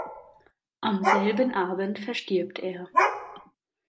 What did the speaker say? Am selben Abend verstirbt er.